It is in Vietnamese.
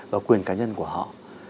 và quyền cá nhân của họ